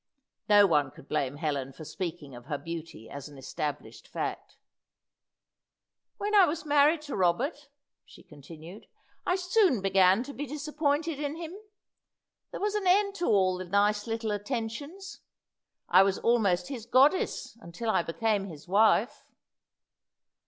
No one could blame Helen for speaking of her beauty as an established fact. "When I was married to Robert," she continued, "I soon began to be disappointed in him. There was an end to all the nice little attentions. I was almost his goddess until I became his wife."